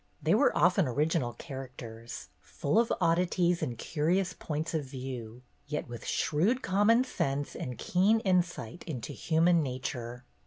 They were often original characters, full of oddities and curious points of view, yet with shrewd com mon sense and keen insight into human nature.